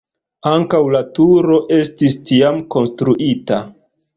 Ankaŭ la turo estis tiam konstruita.